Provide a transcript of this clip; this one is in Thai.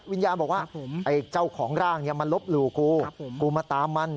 ยาบอกว่าไอ้เจ้าของร่างมันลบหลู่กูกูมาตามมัน